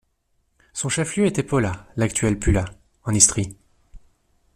Son chef-lieu était Pola, l’actuelle Pula, en Istrie.